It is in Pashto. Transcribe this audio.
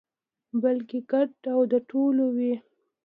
بلکې ګډ او د ټولو وي.